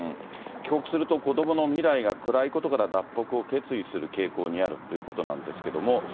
帰国すると子どもの未来が暗いことから脱北を決意する傾向にあるということなんですけれども。